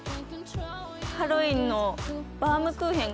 ハロウィーンのバウムクーヘン。